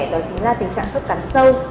đó chính là tình trạng khớp cắn sâu